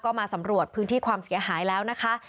ก็มาสำรวจพื้นที่ความเสียหายแล้วนะคะ